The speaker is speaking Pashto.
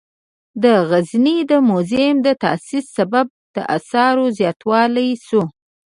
د غزني د موزیم د تاسیس سبب د آثارو زیاتیدل شول.